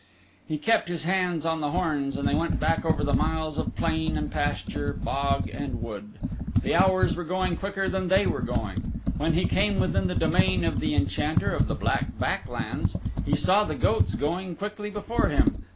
He kept his hands on the horns and they went back over miles of plain and pasture, bog and wood. The hours were going quicker than they were going. When 'he came within the domain of the Enchanter of the Black Back Lands he saw the goats going quickly before him.